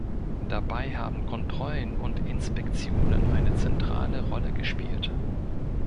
Dabei haben Kontrollen und Inspektionen eine zentrale Rolle gespielt.